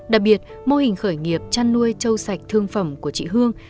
đặc biệt mô hình khởi nghiệp chăn nuôi châu sạch thương phẩm của chị hương